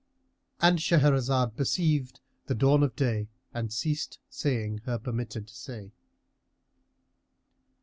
——And Shahrazad perceived the dawn of day and ceased saying her permitted say.